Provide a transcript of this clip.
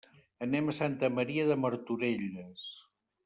Anem a Santa Maria de Martorelles.